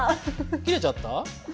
切れちゃった？